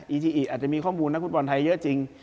ีจีอิอาจจะมีข้อมูลนักฟุตบอลไทยเยอะจริง